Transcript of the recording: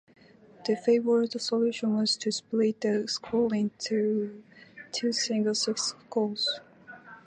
The favoured solution was to split the school into two single-sex schools.